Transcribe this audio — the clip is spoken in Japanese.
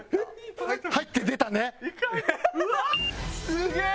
すげえ！